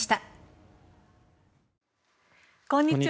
こんにちは。